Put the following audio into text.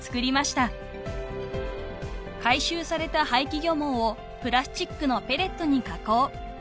［回収された廃棄漁網をプラスチックのペレットに加工］